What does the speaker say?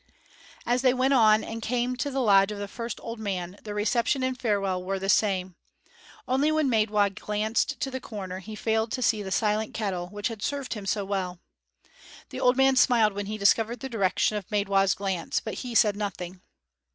As they went on and came to the lodge of the first old man, their reception and farewell were the same; only when Maidwa glanced to the corner he failed to see the silent kettle, which had served him so well. The old man smiled when he discovered the direction of Maidwa's glance, but he said nothing.